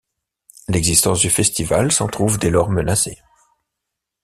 L'existence du festival s'en trouve dès lors menacée.